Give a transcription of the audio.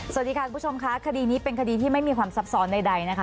สวัสดีค่ะคุณผู้ชมค่ะคดีนี้เป็นคดีที่ไม่มีความซับซ้อนใดนะคะ